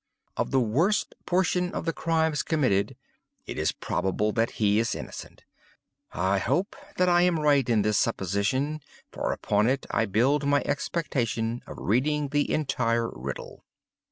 Of the worst portion of the crimes committed, it is probable that he is innocent. I hope that I am right in this supposition; for upon it I build my expectation of reading the entire riddle.